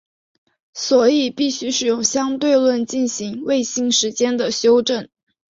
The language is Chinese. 所以必须使用相对论进行卫星时间的修正。